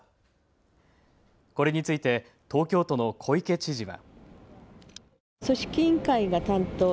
これについて東京都の小池知事は。